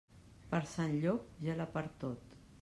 Per Sant Llop, gela per tot.